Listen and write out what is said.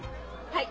はい。